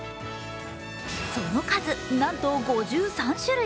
その数、なんと５３種類。